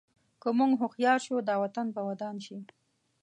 که موږ هوښیار شو، دا وطن به ودان شي.